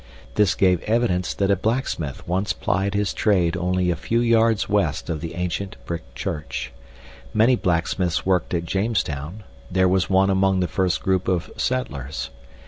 This gave evidence that a blacksmith once plied his trade only a few yards west of the ancient brick church. Many blacksmiths worked at Jamestown (there was one among the first group of settlers).